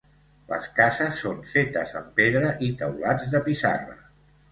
Les cases són fetes amb pedra i teulats de pissarra.